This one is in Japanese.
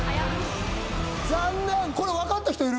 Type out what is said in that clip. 残念これ分かった人いる？